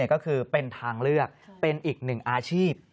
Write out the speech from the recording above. ก็คือเป็นทางเลือกเป็นอีกหนึ่งอาชีพ